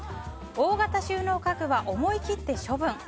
大型収納家具は思い切って処分。